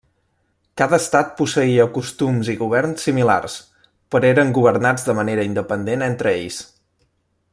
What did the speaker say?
Cada estat posseïa costums i govern similars, però eren governats de manera independent entre ells.